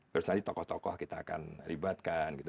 terus nanti tokoh tokoh kita akan ribatkan gitu